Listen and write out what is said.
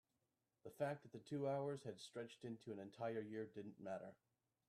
the fact that the two hours had stretched into an entire year didn't matter.